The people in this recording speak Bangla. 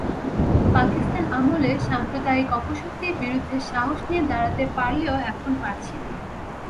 পাকিস্তান আমলে সাম্প্রদায়িক অপশক্তির বিরুদ্ধে সাহস নিয়ে দাঁড়াতে পারলেও এখন পারছি না।